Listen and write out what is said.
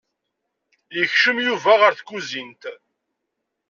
Yekcem Yuba ar tkuzint.